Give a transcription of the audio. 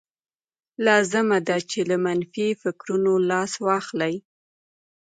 لازمه ده چې له منفي فکرونو لاس واخلئ